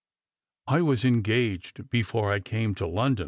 " I was engaged before I came to London."